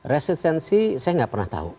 resistensi saya nggak pernah tahu